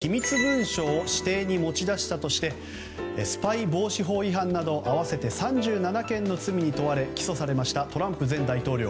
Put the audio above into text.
１４日大統領を退任する際に機密文書を私邸に持ち出したとしてスパイ防止法違反など合わせて３７件の罪に問われ起訴されましたトランプ前大統領。